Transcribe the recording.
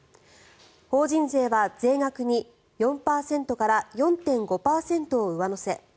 法人税は税額に４％から４．５％を上乗せ。